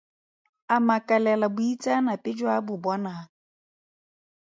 A makalela boitseanape jo a bo bonang.